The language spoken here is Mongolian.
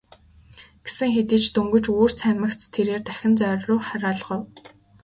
Гэсэн хэдий ч дөнгөж үүр цаймагц тэрээр дахин зоорьруу харайлгав.